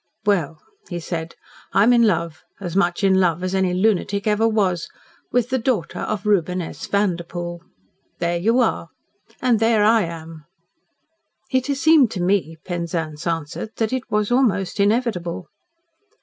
"Well," he said, "I am in love as much in love as any lunatic ever was with the daughter of Reuben S. Vanderpoel. There you are and there I am!" "It has seemed to me," Penzance answered, "that it was almost inevitable."